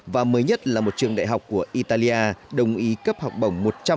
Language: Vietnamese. và mới nhất là một trường đại học của italia đồng ý cấp học bổng một trăm linh trị giá hai mươi tám usd cho em